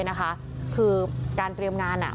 คือการเตรียมงานมันก็เตรียมเป็นหลายอย่าง